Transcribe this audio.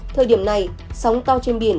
thời điểm này sóng to trên biển